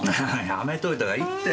やめといたほうがいいって。